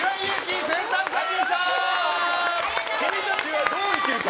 君たちはどう生きるか！